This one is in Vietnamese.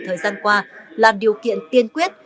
thời gian qua là điều kiện tiên quyết